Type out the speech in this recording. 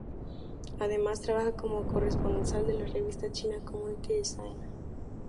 Además, trabaja como corresponsal de la revista china Community Design.